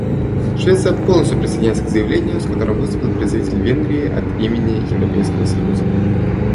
Швеция полностью присоединяется к заявлению, с которым выступил представитель Венгрии от имени Европейского союза.